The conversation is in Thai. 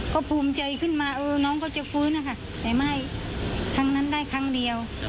ก็ภูมิใจขึ้นมาเออน้องเขาจะฟื้นนะคะแต่ไม่ครั้งนั้นได้ครั้งเดียว